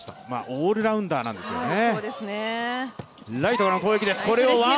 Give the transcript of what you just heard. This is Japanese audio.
オールラウンダーなんですよね。